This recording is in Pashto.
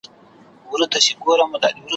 ته به مي پر قبر د جنډۍ په څېر ولاړه یې `